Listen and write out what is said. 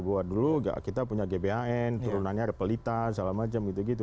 bahwa dulu kita punya gbhn turunannya repelita segala macam gitu gitu